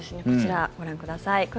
こちら、ご覧ください。